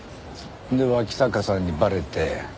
で脇坂さんにバレて。